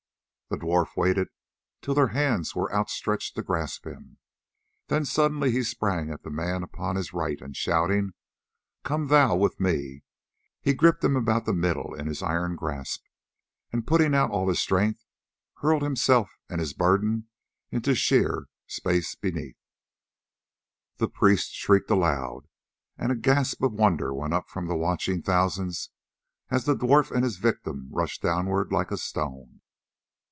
The dwarf waited till their hands were outstretched to grasp him, then suddenly he sprang at the man upon his right, and shouting "Come thou with me," he gripped him about the middle in his iron grasp, and, putting out all his strength, hurled himself and his burden into sheer space beneath. The priest shrieked aloud, and a gasp of wonder went up from the watching thousands as the dwarf and his victim rushed downward like a stone.